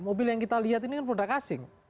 mobil yang kita lihat ini kan produk asing